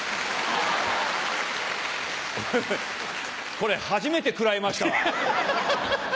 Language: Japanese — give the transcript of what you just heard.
これ初めて食らいましたわ。